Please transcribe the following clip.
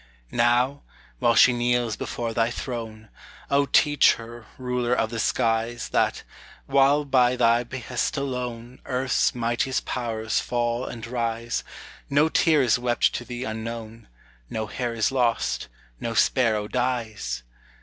Now, while she kneels before thy throne, O, teach her, Ruler of the skies, That, while by thy behest alone Earth's mightiest powers fall and rise, No tear is wept to thee unknown, No hair is lost, no sparrow dies!